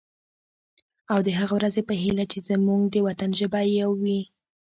او د هغه ورځې په هیله چې زمونږ د وطن ژبه یوه وي.